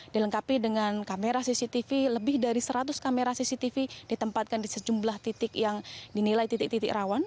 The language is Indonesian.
dilengkapi dengan kamera cctv lebih dari seratus kamera cctv ditempatkan di sejumlah titik yang dinilai titik titik rawan